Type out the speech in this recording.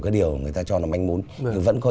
cái điều người ta cho là manh mốn nhưng vẫn có